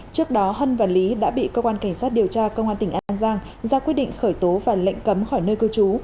trước đó hân và lý đã bị cơ quan cảnh sát điều tra công an tỉnh an giang ra quyết định khởi tố và lệnh cấm khỏi nơi cư trú